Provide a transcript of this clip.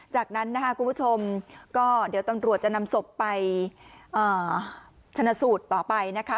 จากนั้นนะคะคุณผู้ชมก็เดี๋ยวตำรวจจะนำศพไปชนะสูตรต่อไปนะคะ